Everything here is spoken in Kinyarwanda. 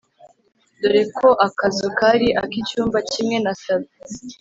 dore ko akazu kari akicyumba kimwe na salon